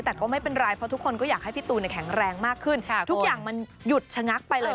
แต่ก็ไม่เป็นไรเพราะทุกคนก็อยากให้พี่ตูนแข็งแรงมากขึ้นทุกอย่างมันหยุดชะงักไปเลย